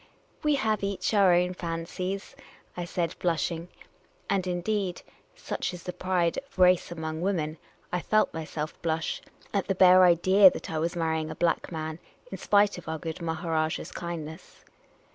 "We have each our own fancies," I said, blushing — and, indeed (such is the pride of race among women), I felt myself blush at the bare idea that I was marrying a black man, in spite of our good Maharajah's kindness.